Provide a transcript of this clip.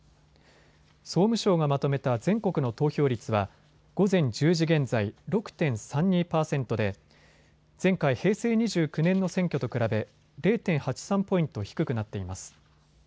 総務省がまとめた全国の投票率は午前１０時現在、６．３２％で前回、平成２９年の選挙と比べ０．８３ポイント低くなっています。